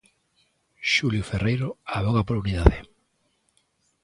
Xulio Ferreiro avoga pola unidade.